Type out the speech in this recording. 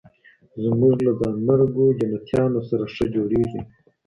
زموږ له ځانمرګو جنتیانو سره ښه جوړیږي